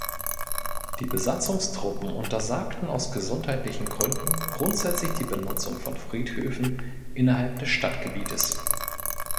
Die Besatzungstruppen untersagten aus gesundheitlichen Gründen grundsätzlich die Benutzung von Friedhöfen innerhalb des Stadtgebietes.